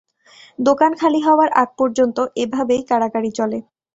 দোকান খালি হওয়ার আগ পর্যন্ত এভাবেই কাড়াকাড়ি চলে!